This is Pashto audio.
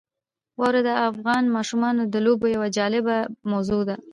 واوره د افغان ماشومانو د لوبو یوه جالبه موضوع ده.